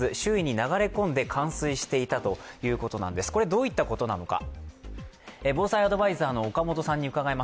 どういったことなのか。